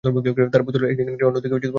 তার পুতুলের একদিকে নারী অন্য দিকে পুরুষ।